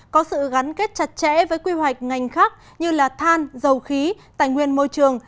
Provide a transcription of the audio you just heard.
có sự gắn kết chặt chẽ với quy hoạch ngành khác như là than dầu khí tài nguyên môi trường